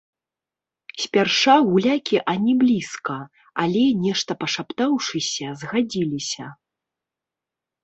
Спярша гулякі ані блізка, але, нешта пашаптаўшыся, згадзіліся.